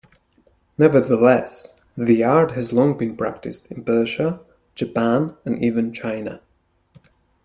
Nevertheless, the art has long been practised in Persia, Japan and even China.